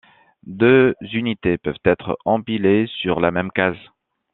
Deux unités peuvent être empilées sur la même case.